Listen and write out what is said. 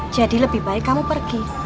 jadi lebih baik kamu pergi